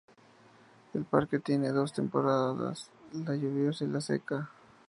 El parque tiene dos temporadas: la de lluvias y la seca.